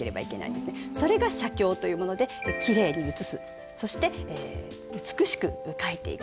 それが写経というものできれいに写すそして美しく書いていく。